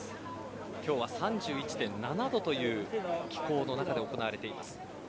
今日は３１．７度という気候の中で行われています。